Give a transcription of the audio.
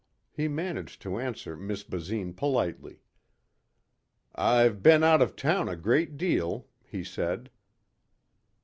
He managed to answer Miss Basine politely. "I've been out of town a great deal," he said.